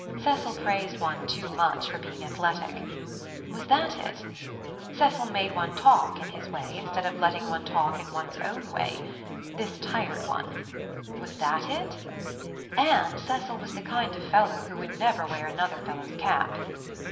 Cecil praised one too much for being athletic. Was that it? Cecil made one talk in one's own way. This tired one. Was that it? And Cecil was the kind of fellow who would never wear another fellow's cap.